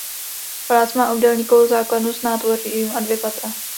Palác má obdélníkovou základnu s nádvořím a dvě patra.